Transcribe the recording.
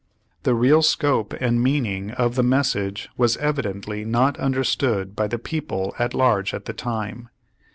The real scope and meaning of the mes sage was evidently not understood by the people at large at the time.